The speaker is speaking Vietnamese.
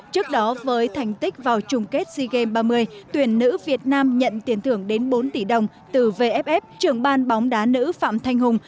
trước đó với thành tích vào trùng kết sea games ba mươi tuyển nữ việt nam nhận tiền thưởng đến bốn tỷ đồng từ vff trưởng ban bóng đá nữ phạm thanh hùng